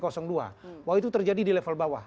bahwa itu terjadi di level bawah